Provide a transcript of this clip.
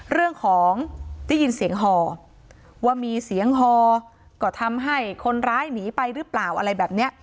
เรื่องของได้ยินเสียงฮอว่ามีเสียงฮอก็ทำให้คนร้ายหนีไปหรือเปล่าอะไรแบบนี้